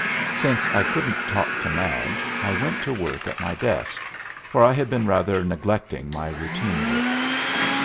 Since I couldn't talk to Madge, I went to work at my desk, for I had been rather neglecting my routine work.